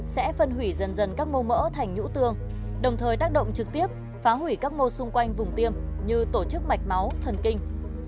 sẽ phân hủy dần dần các mô mỡ thành nhũ tương đồng thời tác động trực tiếp phá hủy các mô xung quanh vùng tiêm như tổ chức mạch máu thần kinh